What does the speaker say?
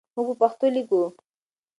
موږ په پښتو لیکو.